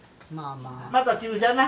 また注射な。